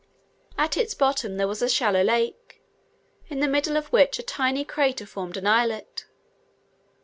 At its bottom there was a shallow lake, in the middle of which a tiny crater formed an islet.